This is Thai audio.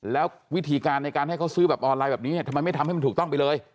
แล้ววิธีการในการให้เขาซื้อแบบออนไลน์แบบนี้เนี่ยทำไมไม่ทำให้มันถูกต้องไปเลย